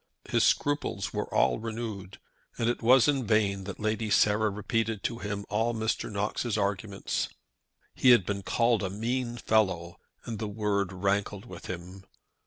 His scruples were all renewed, and it was in vain that Lady Sarah repeated to him all Mr. Knox's arguments. He had been called a mean fellow, and the word rankled with him.